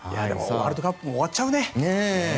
ワールドカップも終わっちゃうね。